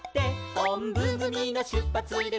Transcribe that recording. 「おんぶぐみのしゅっぱつです」